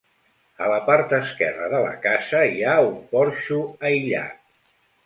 A la part esquerra de la casa hi ha un porxo aïllat.